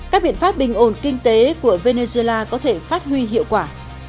các biện pháp bình ổn kinh tế của venezuela có thể phát huy hiệu quả